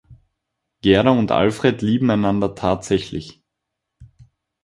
Gerda und Alfred lieben einander tatsächlich.